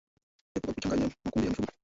Epuka kuchanganya makundi ya mifugo